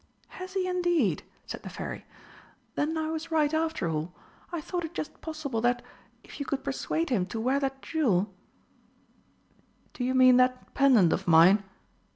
"Has he indeed?" said the Fairy. "Then I was right after all. I thought it just possible that, if you could persuade him to wear that jewel " "Do you mean that pendant of mine?